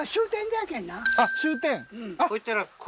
あっ終点？